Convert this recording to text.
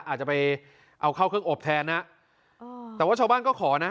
อาจจะไปเอาเข้าเครื่องอบแทนนะเออแต่ว่าชาวบ้านก็ขอนะ